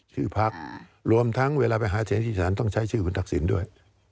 ชื่อพักรวมทั้งเวลาไปหาเสียงอีสานต้องใช้ชื่อคุณทักษิณด้วย